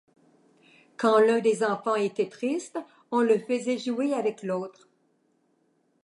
Quand l’un des enfants était triste, on le faisait jouer avec l’autre.